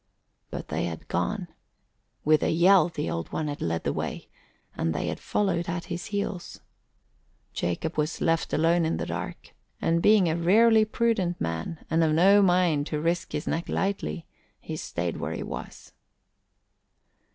But they had gone. With a yell the Old One had led the way, and they had followed at his heels. Jacob was left alone in the dark, and being a rarely prudent man and of no mind to risk his neck lightly, he stayed where he was.